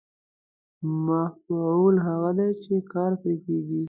مفعول هغه دی چې کار پرې کېږي.